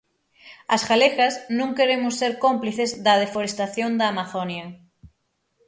As galegas non queremos ser cómplices da deforestación da Amazonia.